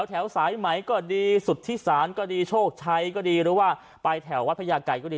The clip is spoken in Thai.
สายไหมก็ดีสุธิศาลก็ดีโชคชัยก็ดีหรือว่าไปแถววัดพระยาไก่ก็ดี